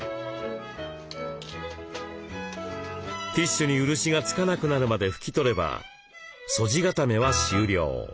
ティッシュに漆がつかなくなるまで拭き取れば素地固めは終了。